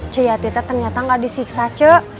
si yati teh ternyata gak disiksa cu